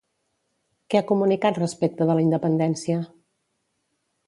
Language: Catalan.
Què ha comunicat respecte de la independència?